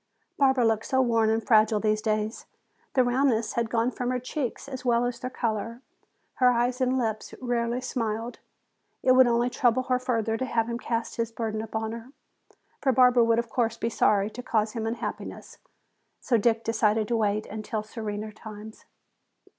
Barbara looked so worn and fragile these days. The roundness had gone from her cheeks as well as their color, her eyes and lips rarely smiled. It would only trouble her further to have him cast his burden upon her. For Barbara would, of course, be sorry to cause him unhappiness. So Dick decided to wait until serener times.